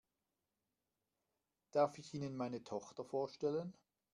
Darf ich Ihnen meine Tochter vorstellen?